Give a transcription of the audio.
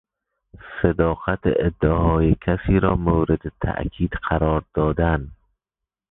صداقت ادعاهای کسی را مورد تاکید قرار دادن